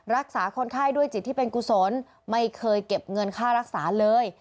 รักษาคนไข้ด้วยจิตที่เป็นกุศลไม่เคยเก็บเงินค่ารักษาเลย